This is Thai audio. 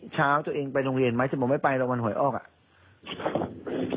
เช้าเจ้าเองไปโรงเรียนไหมฉันบอกไม่ไปเราวันหอยออกอ่ะ